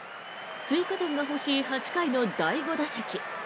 追加点が欲しい８回の第５打席。